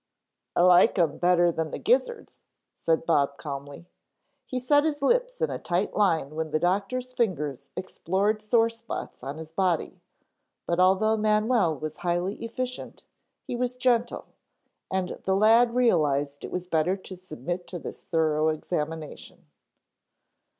"I like 'em better than the gizzards," said Bob calmly. He set his lips in a tight line when the doctor's fingers explored sore spots on his body, but although Manwell was highly efficient he was gentle and the lad realized it was better to submit to this thorough examination.